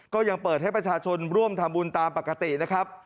ก็ยังเปิดให้ประชาชนร่วมทำบุญตามปกตินะครับ